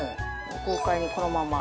豪快にこのまま。